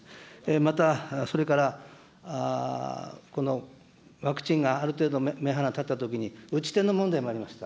また、それからこのワクチンがある程度、目鼻立ったときに、打ち手の問題もありました。